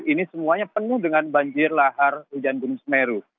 ini semuanya penuh dengan banjir lahar hujan gunung semeru